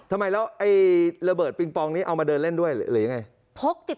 ทำไมแล้วไอ้ระเบิดปิงปองนี้เอามาเดินเล่นด้วยหรือยังไง